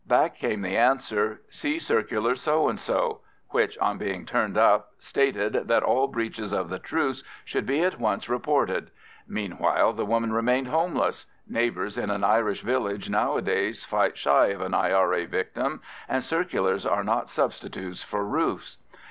Back came the answer, "See circular so and so," which on being turned up stated that all breaches of the Truce should be at once reported. Meanwhile the woman remained homeless: neighbours in an Irish village nowadays fight shy of an I.R.A. victim, and circulars are not substitutes for roofs.